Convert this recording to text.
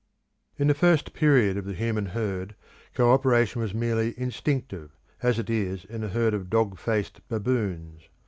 In the first period of the human herd, co operation was merely instinctive, as it is in a herd of dog faced baboons.